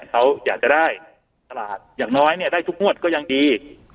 เขาอยากจะได้ตลาดอย่างน้อยได้ทุกงวดก็ยังดี